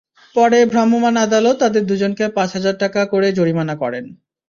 পরে ভ্রাম্যমাণ আদালত তাঁদের দুজনকে পাঁচ হাজার টাকা করে জরিমানা করেন।